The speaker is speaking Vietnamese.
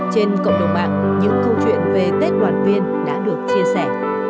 trên cộng đồng mạng những câu chuyện về tết đoàn viên đã được chia sẻ